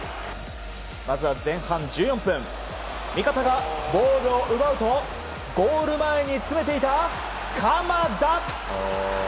まずは前半１４分味方がボールを奪うとゴール前に詰めていた鎌田！